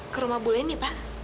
ke rumah ibu leni pak